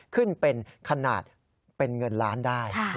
ขึ้นเป็นขนาดเป็นเงินล้านได้